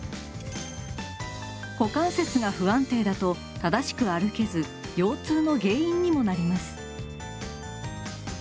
股関節が不安定だと正しく歩けず腰痛の原因にもなります。